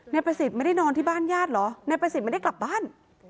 นายประสิทธิ์ไม่ได้นอนที่บ้านญาติเหรอนายประสิทธิ์ไม่ได้กลับบ้าน